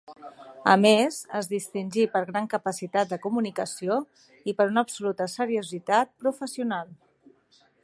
A més es distingí per gran capacitat de comunicació i per una absoluta seriositat professional.